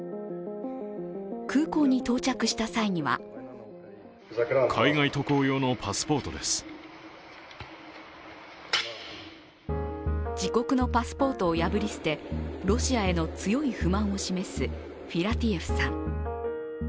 空港に到着した際には自国のパスポートを破り捨て、ロシアへの強い不満を示すフィラティエフさん。